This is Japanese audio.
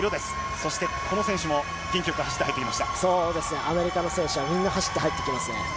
そうですね、アメリカの選手はみんな走って入ってきますね。